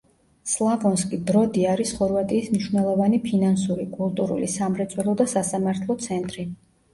სლავონსკი-ბროდი არის ხორვატიის მნიშვნელოვანი ფინანსური, კულტურული, სამრეწველო და სასამართლო ცენტრი.